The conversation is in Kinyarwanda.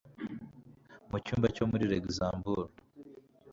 Mu cyumba cyo muri Luxembourg